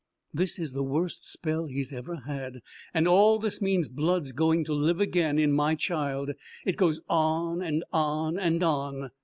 This is the worst spell he's ever had. And all this mean blood's going to live again in my child. It goes on and on and on."